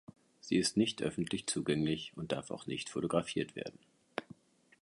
Sie ist nicht öffentlich zugänglich und darf auch nicht fotografiert werden.